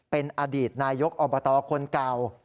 เป็นอดีตนายกอบตคนเก่า